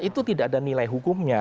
itu tidak ada nilai hukumnya